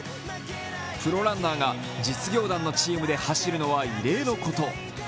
プロランナーが実業団のチームで走るのは異例のこと。